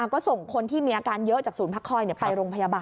ก็ส่งคนที่มีอาการเยอะจากศูนย์พักคอยไปโรงพยาบาล